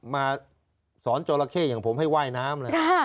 มาสอนจราเข้อย่างผมให้ว่ายน้ำเลย